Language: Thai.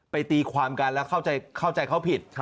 ตีความกันแล้วเข้าใจเขาผิด